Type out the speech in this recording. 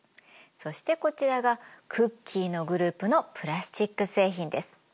そしてこちらがクッキーのグループのプラスチック製品です。